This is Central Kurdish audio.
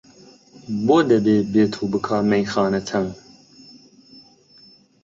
بۆ دەبێ بێت و بکا مەیخانە تەنگ؟!